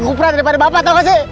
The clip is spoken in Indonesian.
gupran daripada bapak tau gak sih